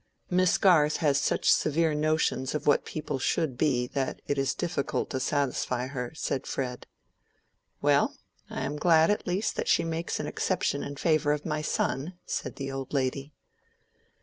"Miss Garth has such severe notions of what people should be that it is difficult to satisfy her," said Fred. "Well, I am glad at least that she makes an exception in favor of my son," said the old lady.